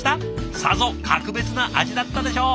さぞ格別な味だったでしょう。